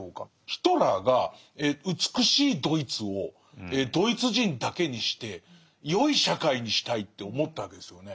ヒトラーが美しいドイツをドイツ人だけにしてよい社会にしたいって思ったわけですよね。